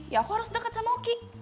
ya aku harus dekat sama oki